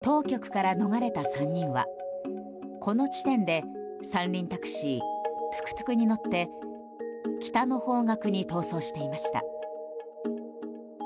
一方、当局から逃れた３人はこの地点で３輪タクシートゥクトゥクに乗って北の方角に逃走していました。